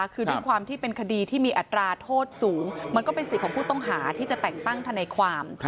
คือด้วยความที่เป็นคดีที่มีอัตราโทษสูงมันก็เป็นสิทธิ์ของผู้ต้องหาที่จะแต่งตั้งทนายความ